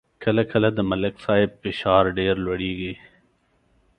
کله کله د ملک صاحب فشار ډېر لوړېږي.